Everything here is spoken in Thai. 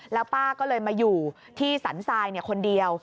แล้วป้าก็เลยมาอยู่ที่สรรทรายคนเดียว